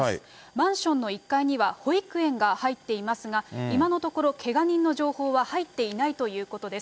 マンションの１階には保育園が入っていますが、今のところ、けが人の情報は入っていないということです。